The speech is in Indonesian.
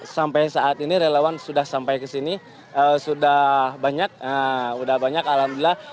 sampai saat ini relawan sudah sampai ke sini sudah banyak sudah banyak alhamdulillah